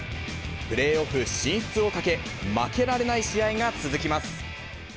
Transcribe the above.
プレーオフ進出をかけ、負けられない試合が続きます。